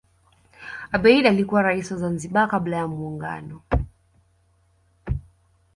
abeid alikuwa rais wa zanzibar kabla ya muungano